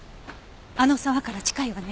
あの沢から近いわね。